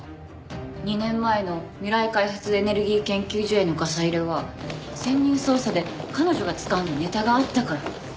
２年前の未来開発エネルギー研究所へのガサ入れは潜入捜査で彼女がつかんだネタがあったから。